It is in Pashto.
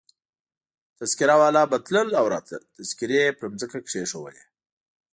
تذکیره والا به تلل او راتلل، تذکیرې يې پر مځکه کښېښولې.